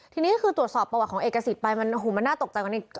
ทีนี้คือตรวจสอบประวัติของเอกสิทธิ์ไปมันโอ้โหมันน่าตกใจกว่านี้